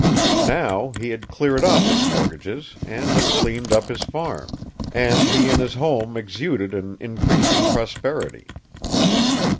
Now, he had cleared off his mortgages and had cleaned up his farm; and he and his home exuded an increasing prosperity.